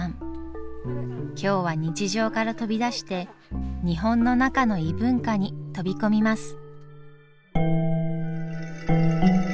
今日は日常から飛び出して日本の中の異文化に飛び込みます。